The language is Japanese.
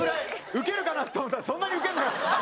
ウケるかな？と思ったけどそんなにウケなかった。